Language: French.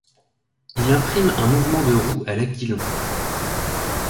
Imprime un mouvement de roue à l’aquilon